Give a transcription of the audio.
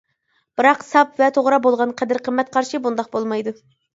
بىراق، ساپ ۋە توغرا بولغان قەدىر-قىممەت قارىشى بۇنداق بولمايدۇ.